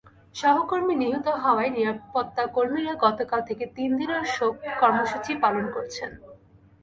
সহকর্মী নিহত হওয়ায় নিরাপত্তাকর্মীরা গতকাল থেকে তিন দিনের শোক কর্মসূচি পালন করছেন।